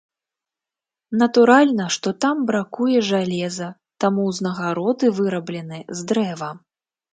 Натуральна, што там бракуе жалеза, таму ўзнагароды выраблены з дрэва.